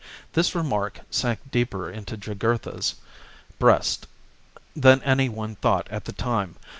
This remark sank deeper into Jugurtha's breast than anyone thought at the time.